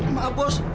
ebay ada dara disitu